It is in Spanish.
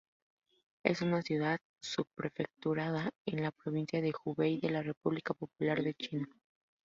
Es una ciudad-subprefectura en la provincia de Hubei de la República Popular de China.